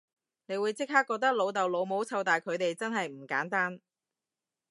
你會即刻覺得老豆老母湊大佢哋真係唔簡單